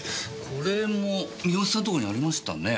これも三好さんとこにありましたね。